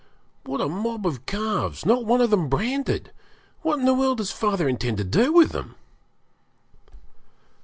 What a mob of calves! not one of them branded! What in the world does father intend to do with them?'